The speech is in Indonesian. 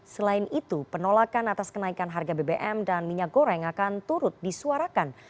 selain itu penolakan atas kenaikan harga bbm dan minyak goreng akan turut disuarakan